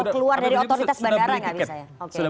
keluar dari otoritas bandara nggak bisa ya